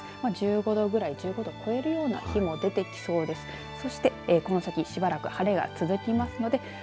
１５度ぐらい１５度超える日も出てきそうです。